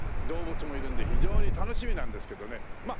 動物もいるんで非常に楽しみなんですけどね。